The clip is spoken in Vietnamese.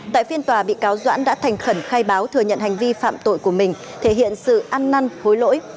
tại phiên tòa bị cáo doãn đã thành khẩn khai báo thừa nhận hành vi phạm tội của mình thể hiện sự ăn năn hối lỗi